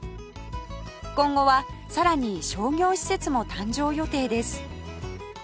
今後はさらに商業施設も誕生予定です